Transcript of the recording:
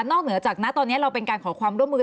เหนือจากณตอนนี้เราเป็นการขอความร่วมมือ